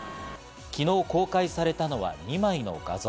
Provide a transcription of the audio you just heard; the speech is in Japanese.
昨日公開されたのは２枚の画像。